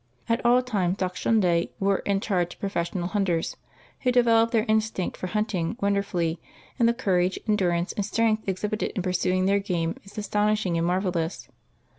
At all times Dachshunde were in charge of professional hunters, who developed their instinct for hunting wonderfully, and the courage, endurance and strength exhibited in pursuing their game is astonishing and marvelous.